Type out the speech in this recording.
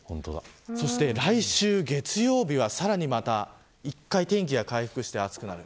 そして来週月曜日はさらにまた１回、天気が回復して暑くなる。